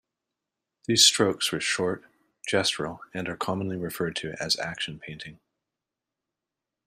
These strokes were short, gestural and are commonly referred to as action painting.